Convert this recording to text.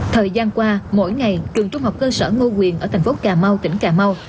thời gian qua mỗi ngày trường trung học cơ sở ngô quyền ở thành phố cà mau tỉnh cà mau